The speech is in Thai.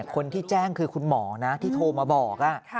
คนที่แจ้งคือคุณหมอนะที่โทรมาบอก